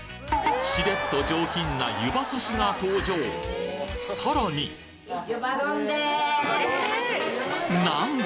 シレっと上品な湯葉刺しが登場さらになんだ？